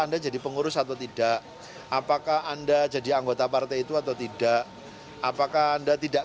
anda jadi pengurus atau tidak apakah anda jadi anggota partai itu atau tidak apakah anda tidak